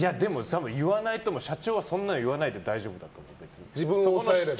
社長はそんなの言わないで大丈夫だと思う。